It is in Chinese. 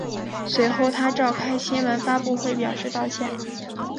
随后他召开新闻发布会表示道歉。